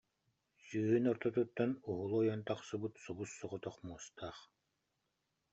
Сүүһүн ортотуттан уһулу ойон тахсыбыт собус-соҕотох муостаах